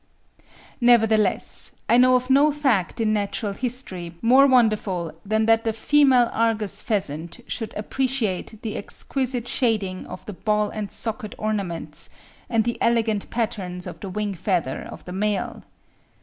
Nevertheless I know of no fact in natural history more wonderful than that the female Argus pheasant should appreciate the exquisite shading of the ball and socket ornaments and the elegant patterns on the wing feather of the male.